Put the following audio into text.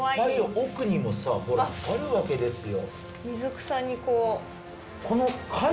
奥にもあるわけですよ。